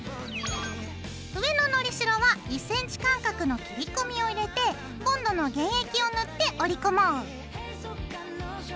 上ののりしろは１ｃｍ間隔の切り込みを入れてボンドの原液を塗って折り込もう。